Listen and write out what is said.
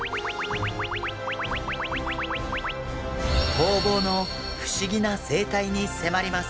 ホウボウの不思議な生態に迫ります！